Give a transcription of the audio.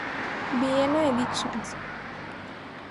Viena edicions.